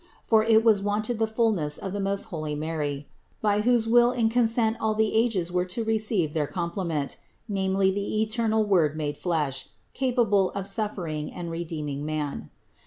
For it wanted the fullness of the most holy Mary, by whose will and consent all the ages were to receive their complement, namely the eternal Word made flesh, capable of suffering and redeeming man.